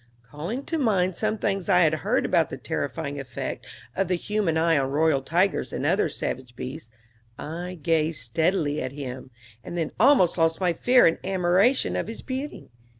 Calling to mind some things I had heard about the terrifying effect of the human eye on royal tigers and other savage beasts, I gazed steadily at him, and then almost lost my fear in admiration of his beauty.